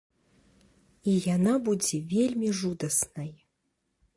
І яна будзе вельмі жудаснай!